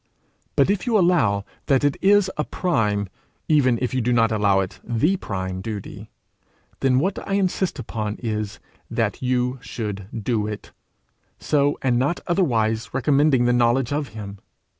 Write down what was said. But if you allow that it is a prime, even if you do not allow it the prime duty, then what I insist upon is, that you should do it, so and not otherwise recommending the knowledge of him.